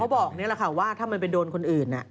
อะไรอย่างนี้แหละค่ะว่าถ้ามันการโดนคนอื่น